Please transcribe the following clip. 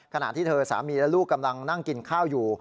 ขณะที่เธอสามีและลูกกำลังนั่งกินข้าวอยู่